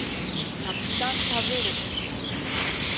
たくさん食べる